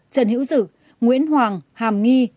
trần hữu dực nguyễn hoàng hàm nghi